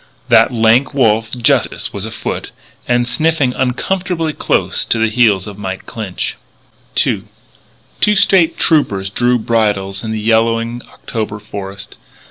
That lank wolf, Justice, was afoot and sniffing uncomfortably close to the heels of Mike Clinch. II Two State Troopers drew bridles in the yellowing October forest.